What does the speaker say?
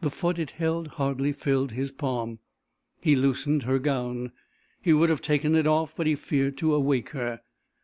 The foot it held hardly filled his palm. He loosened her gown. He would have taken it off but he feared to awake her.